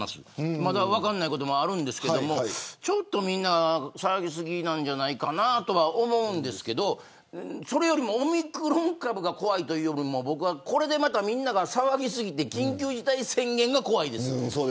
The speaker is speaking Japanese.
まだ、分からないこともあるんですけどちょっと、みんな騒ぎ過ぎじゃないのかなと思うんですけどそれよりもオミクロン株が怖いというよりこれでまた騒ぎ過ぎて緊急事態宣言が怖いです。